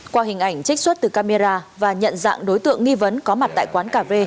qua hình ảnh trích xuất từ camera và nhận dạng đối tượng nghi vấn có mặt tại quán cà phê